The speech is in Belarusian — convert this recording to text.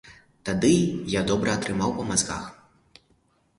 Тады я добра атрымаў па мазгах.